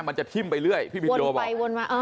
มันจะทิ่มไปเรื่อยพี่บินโดบอกไปวนมา